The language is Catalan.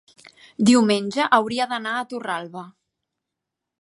Diumenge hauria d'anar a Torralba.